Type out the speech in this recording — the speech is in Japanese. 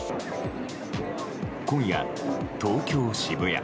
今夜、東京・渋谷。